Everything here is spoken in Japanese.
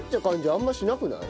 あんましなくない？